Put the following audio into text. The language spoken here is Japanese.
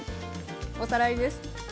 おさらいです。